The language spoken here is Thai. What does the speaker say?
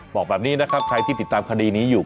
บอกแบบนี้นะครับใครที่ติดตามคดีนี้อยู่